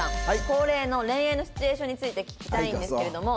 恒例の恋愛のシチュエーションについて聞きたいんですけれども。